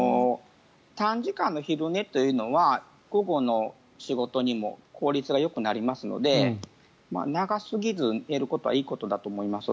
短時間の昼寝というのは午後の仕事も効率がよくなりますので長すぎず寝ることはいいことだと思います。